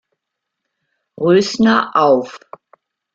Rösner auf.